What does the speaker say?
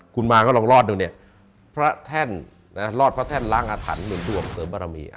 คุณมาก็ลองรอดดูเนี่ยพระแท่นรอดพระแท่นล้างอาถรรพหนุนถ่วงเสริมบารมี